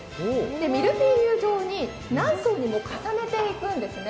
ミルフィーユ状に何層も重ねていきます。